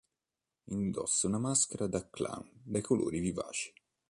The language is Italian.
Indossa una maschera da clown dai colori vivaci.